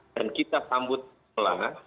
dan kita sambut bola